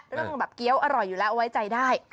เรื่องแบบเกี้ยวอร่อยอยู่แล้วเอาไว้ใจได้